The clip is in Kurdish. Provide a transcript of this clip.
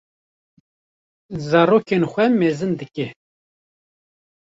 zarokên xwe mezin dike.